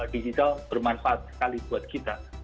digital bermanfaat sekali buat kita